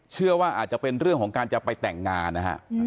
เชื่อว่าอาจจะเป็นเรื่องของการจะไปแต่งงานนะฮะ